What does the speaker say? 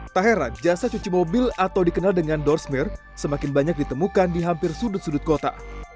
tak heran jasa cuci mobil atau dikenal dengan doorsmir semakin banyak ditemukan di hampir sudut sudut kota